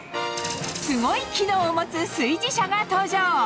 すごい機能を持つ炊事車が登場。